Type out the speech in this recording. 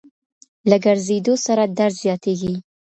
له ګرځېدو سره درد زیاتیږي.